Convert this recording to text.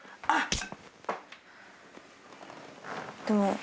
あっ！